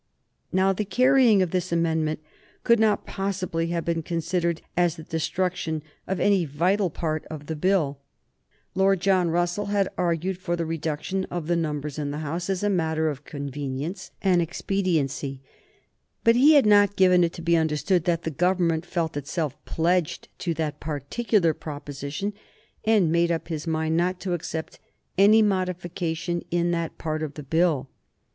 Now the carrying of this amendment could not possibly have been considered as the destruction of any vital part of the Bill. [Sidenote: 1831 William the Fourth and Reform] Lord John Russell had argued for the reduction of the numbers in the House as a matter of convenience and expediency; but he had not given it to be understood that the Government felt itself pledged to that particular proposition, and had made up his mind not to accept any modification in that part of the plan.